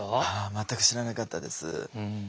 全く知らなかったです。